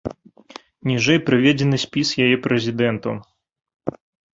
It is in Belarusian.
Ніжэй прыведзены спіс яе прэзідэнтаў.